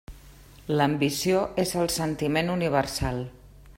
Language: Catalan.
L'ambició és el sentiment universal.